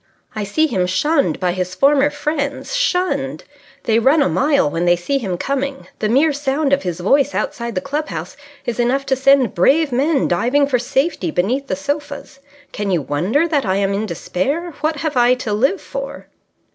I see him shunned by his former friends. Shunned! They run a mile when they see him coming. The mere sound of his voice outside the club house is enough to send brave men diving for safety beneath the sofas. Can you wonder that I am in despair? What have I to live for?"